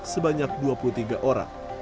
sebanyak dua puluh tiga orang